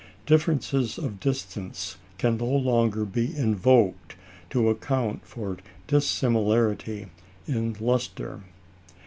Differences of distance can no longer be invoked to account for dissimilarity in lustre.